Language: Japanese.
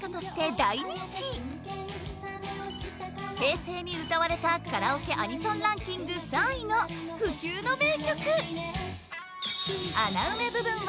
平成に歌われたカラオケアニソンランキング３位の不朽の名曲